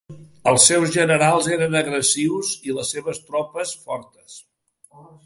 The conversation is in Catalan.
Els seus generals eren agressius i les seves tropes fortes.